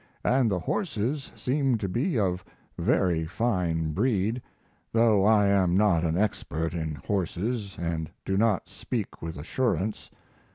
And the horses seem to be of very fine breed, though I am not an expert in horses & do not speak with assurance.